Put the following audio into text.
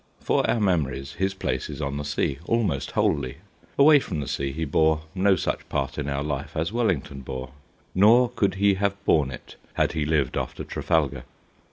For our memories his place is on the sea, almost wholly ; away from the sea he bore no such part in our life as Wellington bore, nor could he have borne it had he lived after Trafalgar.